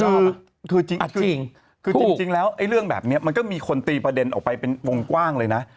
คือจริงคือจริงแล้วไอ้เรื่องแบบนี้มันก็มีคนตีประเด็นออกไปเป็นวงกว้างเลยนะ